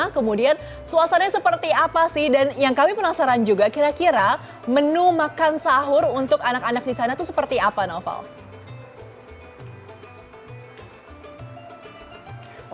kemudian suasananya seperti apa sih dan yang kami penasaran juga kira kira menu makan sahur untuk anak anak di sana itu seperti apa naufal